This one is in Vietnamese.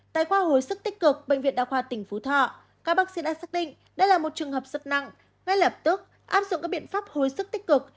tại khoa hồi sức tích cực bệnh viện đa khoa tỉnh phú thọ các bác sĩ đã xác định đây là một trường hợp rất nặng ngay lập tức áp dụng các biện pháp hồi sức tích cực